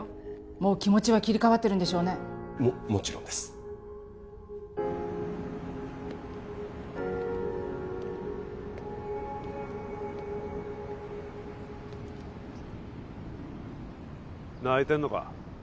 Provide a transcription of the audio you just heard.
もう気持ちは切り替わってるんでしょうねももちろんです泣いてんのか？